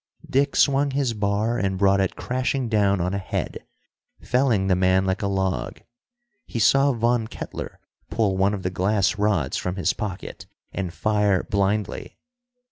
Dick swung his bar and brought it crashing down on a head, felling the man like a log. He saw Von Kettler pull one of the glass rods from his pocket and fire blindly.